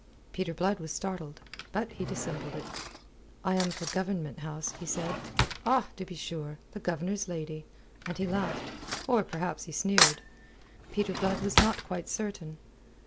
Peter Blood was startled. But he dissembled it. "I am for Government House," said he. "Ah! To be sure! The Governor's lady." And he laughed; or perhaps he sneered. Peter Blood was not quite certain.